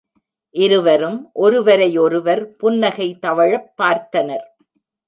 இருவரும் ஒருவரையொருவர் புன்னகை தவழப் பார்த்தனர்.